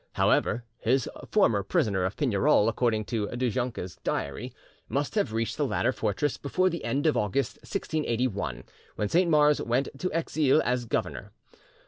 However, his "former prisoner of Pignerol," according to Du Junca's diary, must have reached the latter fortress before the end of August 1681, when Saint Mars went to Exilles as governor.